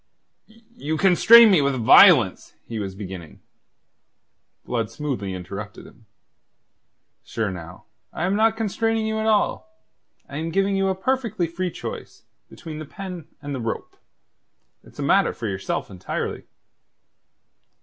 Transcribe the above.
"You constrain me with violence..." he was beginning. Blood smoothly interrupted him. "Sure, now, I am not constraining you at all. I'm giving you a perfectly free choice between the pen and the rope. It's a matter for yourself entirely."